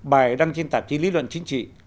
bài đăng trên tạp chí lý luận chính trị